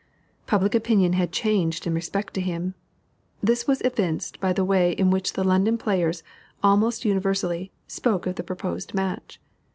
Public opinion had changed in respect to him. This was evinced by the way in which the London players, almost universally, spoke of the proposed match.